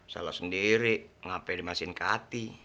salah sendiri ngapa dimasukin kati